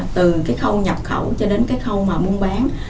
từ khâu nhập khẩu cho đến khâu muôn bán